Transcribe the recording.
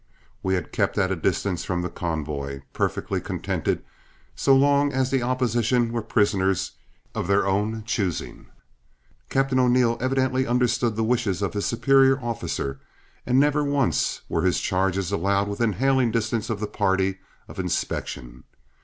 We had kept at a distance from the convoy, perfectly contented so long as the opposition were prisoners of their own choosing. Captain O'Neill evidently understood the wishes of his superior officer, and never once were his charges allowed within hailing distance of the party of inspection.